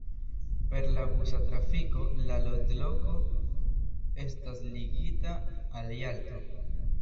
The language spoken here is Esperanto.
Per la busa trafiko la loĝloko estas ligita al Jalto.